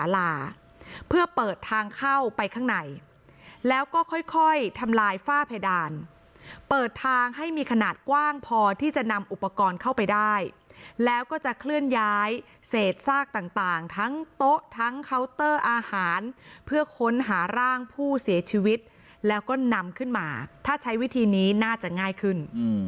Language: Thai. ลาเพื่อเปิดทางเข้าไปข้างในแล้วก็ค่อยทำลายฝ้าเพดานเปิดทางให้มีขนาดกว้างพอที่จะนำอุปกรณ์เข้าไปได้แล้วก็จะเคลื่อนย้ายเศษซากต่างทั้งโต๊ะทั้งเคาน์เตอร์อาหารเพื่อค้นหาร่างผู้เสียชีวิตแล้วก็นำขึ้นมาถ้าใช้วิธีนี้น่าจะง่ายขึ้น